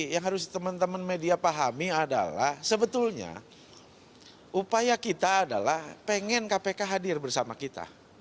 yang harus teman teman media pahami adalah sebetulnya upaya kita adalah pengen kpk hadir bersama kita